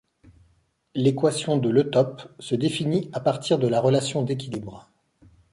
L'équation de l'eutope se définit à partir de la relation d'équilibre.